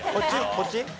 こっち？